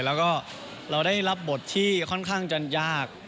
แต่สำหรับคนเดียว